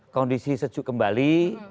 kondisi sejuk kembali